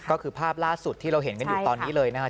ก็คือภาพล่าสุดที่เราเห็นกันอยู่ตอนนี้เลยนะครับ